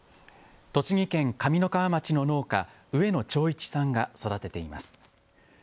栃木県上三川町の農家、上野長一さんが育てています。